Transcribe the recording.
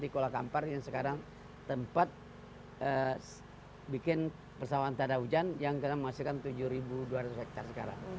di kuala kampar yang sekarang tempat bikin persawahan tanda hujan yang kita menghasilkan tujuh dua ratus hektare sekarang